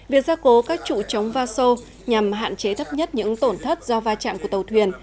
việc gia cố các trụ trống va sô nhằm hạn chế thấp nhất những tổn thất do va chạm của tàu thuyền